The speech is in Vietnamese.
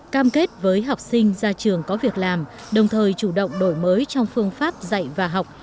cam kết với học sinh ra trường có việc làm đồng thời chủ động đổi mới trong phương pháp dạy và học